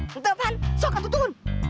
sudah pan sok atuh tuhun